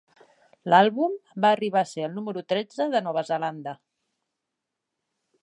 L'àlbum va arribar a ser el número tretze de Nova Zelanda.